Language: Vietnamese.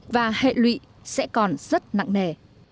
và hệ lụy sẽ còn rất nặng nề